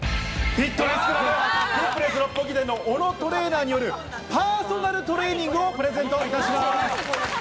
フィットネスクラブ・ティップネス六本木店の小野トレーナーによる、パーソナルトレーニングをプレゼントいたします。